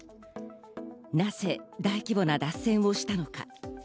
なぜ大規模な脱線をしたのか。